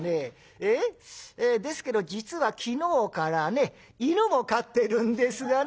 ええ？ですけど実は昨日からね犬も飼ってるんですがね」。